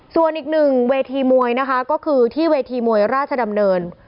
ส่วนอีกหนึ่งเวทีมวยนะคะก็คือที่เวทีมวยราชดำเนิน